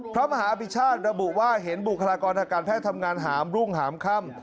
พระมหาพิชาติระบุว่าเห็นบุคลากรทางการแพทย์ทำงานหามรุ่งหามค่ำ